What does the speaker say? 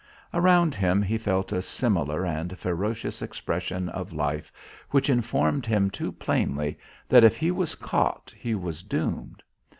Around him, he felt a similar and ferocious expression of life which informed him too plainly that if he was caught, he was doomed.